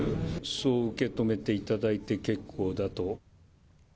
そう受け止めていただいて結構だと。